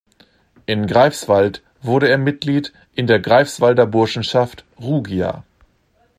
In Greifswald wurde er Mitglied in der Greifswalder Burschenschaft Rugia.